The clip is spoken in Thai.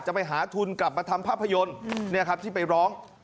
ไปหาทุนกลับมาทำภาพยนตร์ที่ไปร้อง